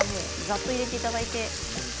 砂糖を入れていただいて。